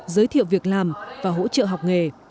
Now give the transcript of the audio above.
giới thiệu việc làm và hỗ trợ học nghề